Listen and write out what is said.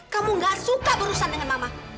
kamu enggak suka berusaha dengan mama